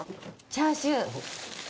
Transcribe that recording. チャーシュー。